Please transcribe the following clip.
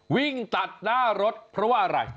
วิ่งตัดหน้ารถเพราะว่าอะไร